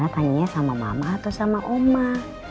tanyanya sama mama atau sama oma